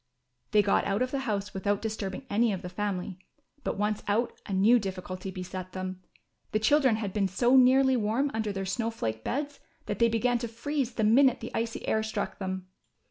They got out of the house without disturbing any of the family; but, once out, a new difficulty beset them. The children had been so nearly warm under their snow flake beds that they began to freeze the minute the icy air struck them.